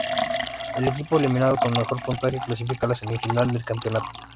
El equipo eliminado con mejor puntaje clasifica a la semifinal del campeonato.